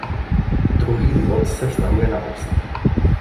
Druhý důvod se vztahuje na obsah.